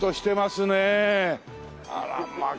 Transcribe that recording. あらまあ